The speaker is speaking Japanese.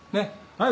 はい。